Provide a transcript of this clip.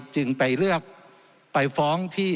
จำนวนเนื้อที่ดินทั้งหมด๑๒๒๐๐๐ไร่